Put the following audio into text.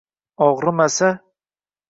Og’rimasa —